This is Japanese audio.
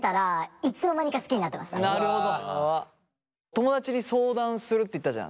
友だちに相談するって言ったじゃん。